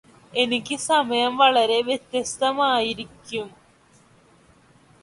എനിക്കു സമയം വളരെ വ്യത്യസ്തമായിരിക്കും